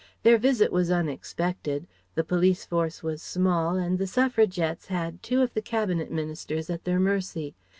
Their visit was unexpected, the police force was small and the Suffragettes had two of the Cabinet Ministers at their mercy.